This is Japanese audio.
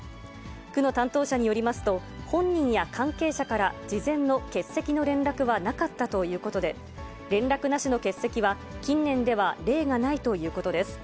区の担当者によりますと、本人や関係者から事前の欠席の連絡はなかったということで、連絡なしの欠席は近年では例がないということです。